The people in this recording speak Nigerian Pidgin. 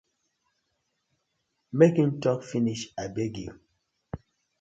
Mek im tok finish abeg yu.